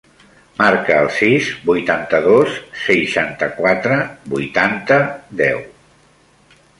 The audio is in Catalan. Marca el sis, vuitanta-dos, seixanta-quatre, vuitanta, deu.